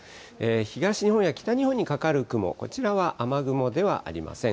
東日本や北日本にかかる雲、こちらは雨雲ではありません。